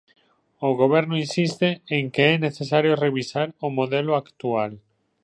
O Goberno insiste en que é necesario revisar o modelo actual.